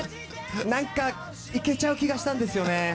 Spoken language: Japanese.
何か、いけちゃう気がしたんですよね。